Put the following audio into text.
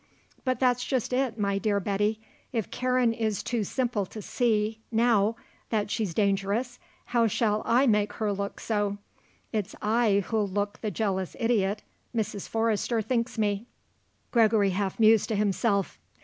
"But that's just it, my dear Betty. If Karen is too simple to see, now, that she's dangerous, how shall I make her look so? It's I who'll look the jealous idiot Mrs. Forrester thinks me," Gregory half mused to himself.